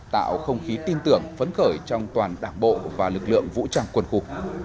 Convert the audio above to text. tạo không khí tin tưởng phấn khởi trong toàn đảng bộ và lực lượng vũ trang quân khu